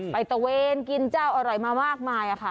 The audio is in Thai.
ตะเวนกินเจ้าอร่อยมามากมายค่ะ